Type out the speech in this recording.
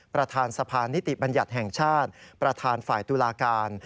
ประธานสะพานนิติบัญญัติแห่งชาติประธานฝ่ายตุลาการ